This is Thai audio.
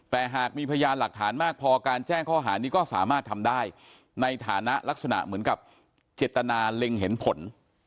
แต่หากมีพยานหลักฐานมากพอการแจ้งข้อหานี้ก็สามารถทำได้ในฐานะลักษณะเหมือนกับเจตนาเล็งเห็นผล